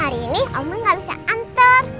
hari ini oma gak bisa antur